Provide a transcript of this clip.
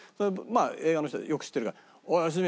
映画の人でよく知ってるから「おい良純